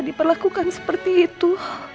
diperlakukan seperti itu